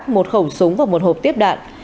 một khẩu súng và một hộp tiếp đạn